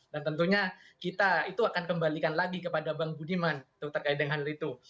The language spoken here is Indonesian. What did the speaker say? dan tentunya kita itu akan kembalikan lagi kepada bang budiman terkait dengan hal itu